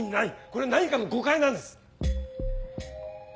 これは何かの誤解なんです。